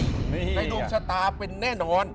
ในดวงชะตาเป็นแน่นอน